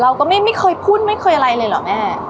เราก็ไม่เคยพูดไม่เคยอะไรเลยเหรอแม่